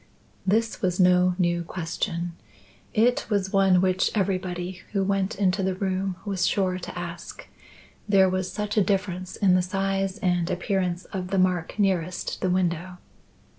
This was no new question. It was one which everybody who went into the room was sure to ask, there was such a difference in the size and appearance of the mark nearest the window.